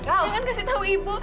jangan kasih tahu ibu